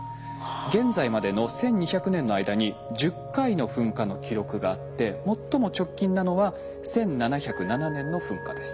現在までの１，２００年の間に１０回の噴火の記録があって最も直近なのは１７０７年の噴火です。